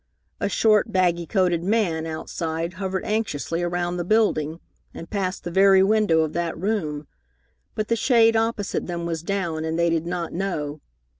A short, baggy coated man outside hovered anxiously around the building and passed the very window of that room, but the shade opposite them was down, and they did not know.